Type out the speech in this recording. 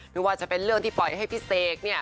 นึกว่าจะเป็นเรื่องที่ปล่อยให้พี่เศก